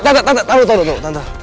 tante tante tunggu tunggu